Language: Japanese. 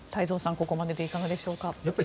ここまででいかがでしょうか？